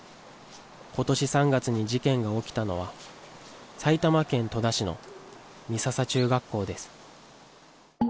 ことし３月に事件が起きたのは、埼玉県戸田市の美笹中学校です。